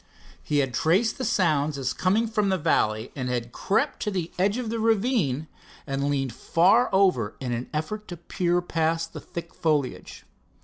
He had traced the sounds as coming from the valley, and had crept to the edge of the ravine and leaned far over in an effort to peer past the thick foliage.